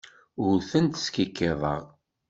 Ur tent-skikkiḍeɣ.